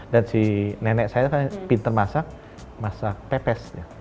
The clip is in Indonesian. dan si nenek saya kan pinter masak masak pepes